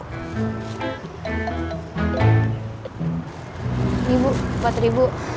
ini bu empat ribu